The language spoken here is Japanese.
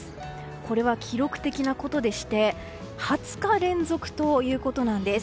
これは記録的なことでして２０日連続ということなんです。